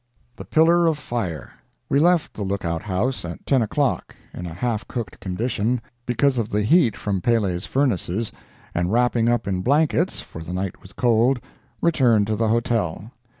THE PILLAR OF FIRE We left the lookout house at ten o'clock in a half cooked condition because of the heat from Pele's furnaces, and wrapping up in blankets (for the night was cold) returned to the hotel.